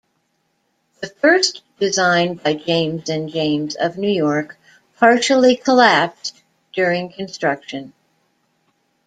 The first design by James and James of New York partially collapsed during construction.